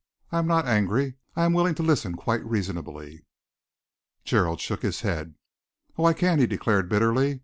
I am not angry. I am willing to listen quite reasonably." Gerald shook his head. "Oh, I can't!" he declared bitterly.